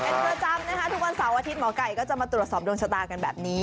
เป็นประจำนะคะทุกวันเสาร์อาทิตย์หมอไก่ก็จะมาตรวจสอบดวงชะตากันแบบนี้